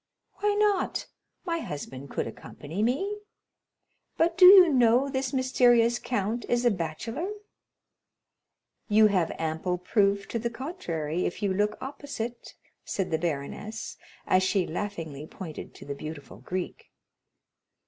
"Why not? my husband could accompany me." "But do you know this mysterious count is a bachelor?" "You have ample proof to the contrary, if you look opposite," said the baroness, as she laughingly pointed to the beautiful Greek.